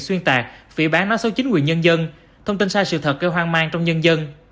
xuyên tạc phỉ bán nói xấu chính quyền nhân dân thông tin sai sự thật gây hoang mang trong nhân dân